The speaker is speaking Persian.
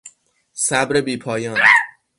صبر بیپایان